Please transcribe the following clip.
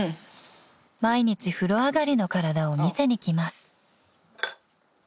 ［毎日風呂上がりの体を見せに来ます］